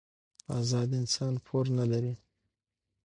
ازاد انسان پور نه لري.